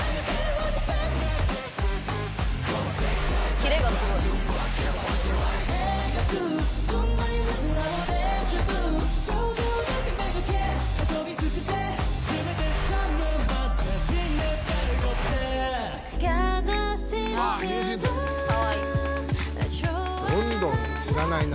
「キレがすごい」「どんどん知らないな。